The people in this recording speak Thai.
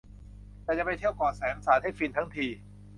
แต่จะไปเที่ยวเกาะแสมสารให้ฟินทั้งที